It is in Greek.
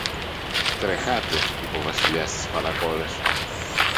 Τρεχάτε, είπε ο Βασιλιάς στις παρακόρες